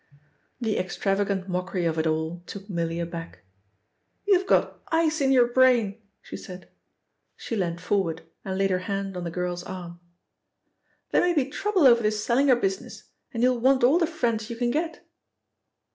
The extravagant mockery of it all took Milly aback. "You've got ice in your brain!" she said. She leant forward and laid her hand on the girl's arm. "There may be trouble over this Sellinger business, and you will want all the friends you can get."